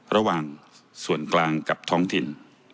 ระหว่างส่วนกลางกับท้องถิ่น